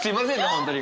本当に。